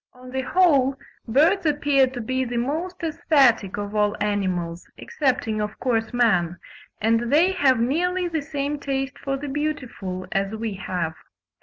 On the whole, birds appear to be the most aesthetic of all animals, excepting of course man, and they have nearly the same taste for the beautiful as we have.